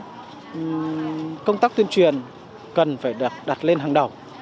các công tác tuyên truyền cần phải đặt lên hàng đầu